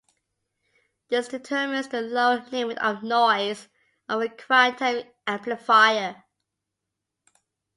This determines the lower limit of noise of a quantum amplifier.